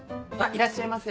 いらっしゃいませ。